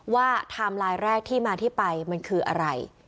ไทม์ไลน์แรกที่มาที่ไปมันคืออะไร